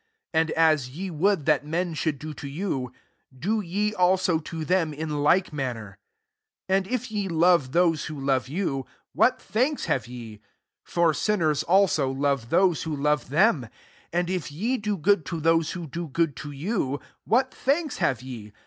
31 And as ye would that men should do to you, d6 ye also to them, in like manner. 32 << And if ye lore those. LUKE VI. 117 ho love you, what thanks have e ? for sinners, also, love those hd iove them. 33 And if ye o good to those who do good > yon, what thanks have ye